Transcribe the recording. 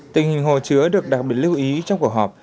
tình hình hồ chứa được đặc biệt lưu ý trong cuộc họp